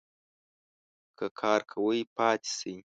که کار کوی ؟ پاته سئ